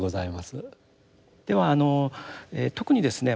ではあの特にですね